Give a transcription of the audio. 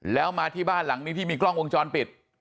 แล้วมาที่บ้านหลังนี้ที่มีกล้องวงจรปิด